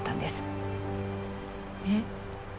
えっ？